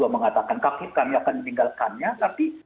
dua ratus dua belas mengatakan kakit kami akan ditinggalkannya tapi